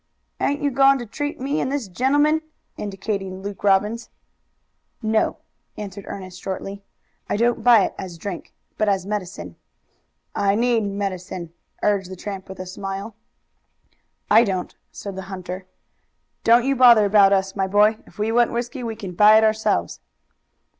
"Ain't you goin' to treat me and this gentleman?" indicating Luke Robbins. "No," answered Ernest shortly. "I don't buy it as drink, but as medicine." "I need medicine," urged the tramp, with a smile. "I don't," said the hunter. "Don't you bother about us, my boy. If we want whisky we can buy it ourselves."